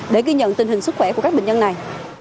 để ghi nhận tình hình sức khỏe của các bệnh nhân này